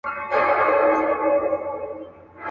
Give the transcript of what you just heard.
هسي نه چي لیري ولاړ سو په مزلونو.